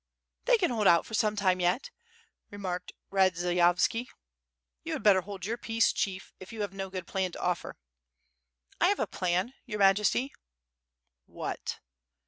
"They can hold out for some time yet," remarked Radzie yovski. "You had better hold your peace, chief, if you have no good plan to offer." "I have a plan. Your Majesty.*^ "What?"